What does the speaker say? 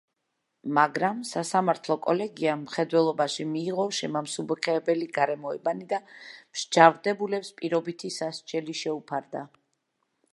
მაგრამ სასამართლო კოლეგიამ მხედველობაში მიიღო შემამსუბუქებელი გარემოებანი და მსჯავრდებულებს პირობითი სასჯელი შეუფარდა.